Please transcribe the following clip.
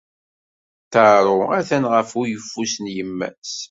Taro atan ɣef uyeffus n yemma-s.